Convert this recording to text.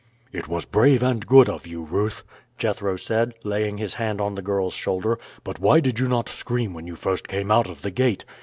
"It was brave and good of you, Ruth," Jethro said, laying his hand on the girl's shoulder; "but why did you not scream when you first came out of the gate?